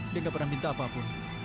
dia tidak pernah minta apa apa